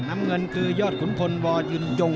น้ำเงินคือยอดขุมพลบ่อห์จุ่นจง